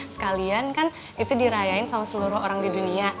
sekalian kan itu dirayain sama seluruh orang di dunia